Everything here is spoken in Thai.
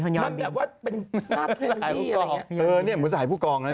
หน้าเทรนดี้อะไรอย่างนี้เออนี่เหมือนสหายผู้กองน่ะ